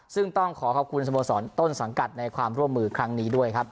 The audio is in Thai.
ซึ่งต้องขอขอบคุณสโมสรต้นสังกัดในความร่วมมือครั้งนี้ด้วยครับ